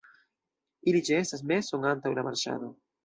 Ili ĉeestas meson antaŭ la marŝado.